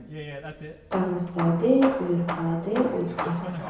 Таҥастарыде, ойыркалыде ок лий...